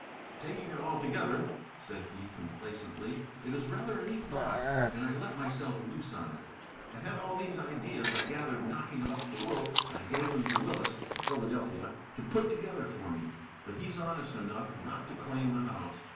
"Taking it altogether," said he, complacently, "it is rather a neat box, and I let myself loose on it. I had all these ideas I gathered knocking about the world, and I gave them to Willis, of Philadelphia, to put together for me. But he's honest enough not to claim the house.